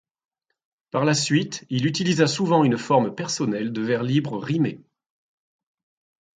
Par la suite, il utilisa souvent une forme personnelle de vers libres rimés.